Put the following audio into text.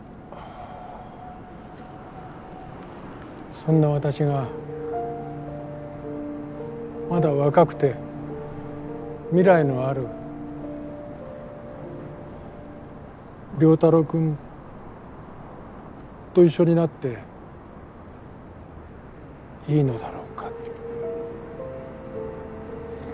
そんな私がまだ若くて未来のある良太郎くんと一緒になっていいのだろうか？